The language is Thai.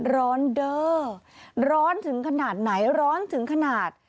ร้อนเด้อร้อนถึงขนาดไหนร้อนถึงขนาด